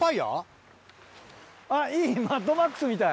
あっいい！